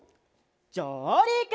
じょうりく！